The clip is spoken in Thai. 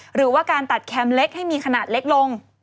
หรือว่าการตัดแคมป์เล็กให้มีขนาดเล็กลง